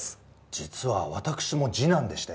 実は私も次男でして。